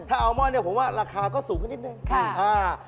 ถ้าแอลมอนผมว่าราคาก็สูงขึ้นนิดหนึ่ง